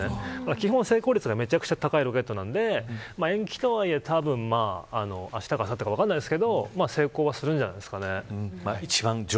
基本、成功率がめちゃくちゃ高いので延期とはいえあしたかあさってか分かりませんが成功するんじゃないですか。